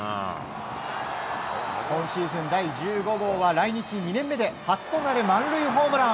今シーズン第１５号は来日２年目で初となる満塁ホームラン。